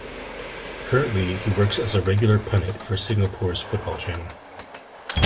Currently, he works as a regular pundit for Singapore's Football Channel.